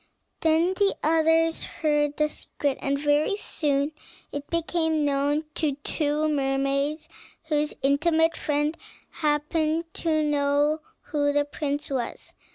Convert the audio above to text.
Then the others heard the secret, and very soon it became known to two mermaids whose intimate friend happened to know who the prince was.